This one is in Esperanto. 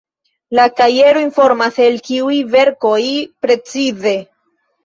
La kajero informas, el kiuj verkoj precize.